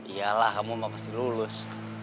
iya lah kamu mau pasti lulus